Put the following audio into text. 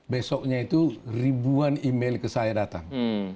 besoknya itu ribuan email ke saya datang